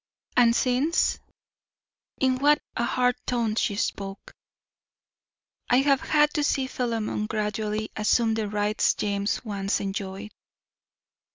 "And since?" In what a hard tone she spoke! "I have had to see Philemon gradually assume the rights James once enjoyed."